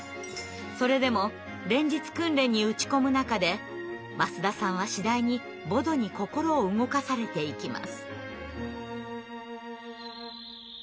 それでも連日訓練に打ち込む中で舛田さんは次第にボドに心を動かされていきます。